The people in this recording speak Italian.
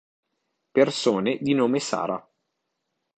Persone di nome Sara